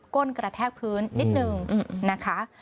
้นกระแทกพื้นนิดนึงนะคะ